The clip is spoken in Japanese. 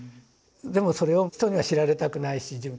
でもそれを人には知られたくないし。